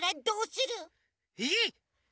えっ？